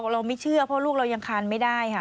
เราไม่เชื่อเพราะลูกเรายังคานไม่ได้ค่ะ